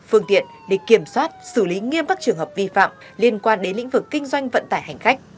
phương tiện để kiểm soát xử lý nghiêm các trường hợp vi phạm liên quan đến lĩnh vực kinh doanh vận tải hành khách